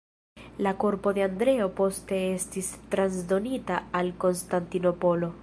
La korpo de Andreo poste estis transdonita al Konstantinopolo.